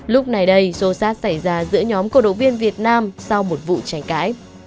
lúc này đây xô xát xảy ra giữa nhóm cổ độc viên việt nam sau một vụ tranh cãi